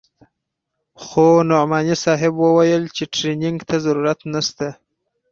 خو نعماني صاحب وويل چې ټرېننگ ته ضرورت نسته.